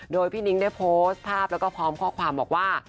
โดยพี่นิ้งได้โพสต์ภาพแล้วก็พร้อมข้อความบอกว่า